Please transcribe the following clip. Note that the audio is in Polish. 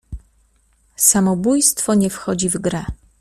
"Samobójstwo nie wchodzi w grę."